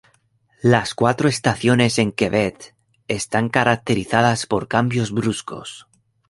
Las cuatro estaciones en Quebec están caracterizadas por cambios bruscos.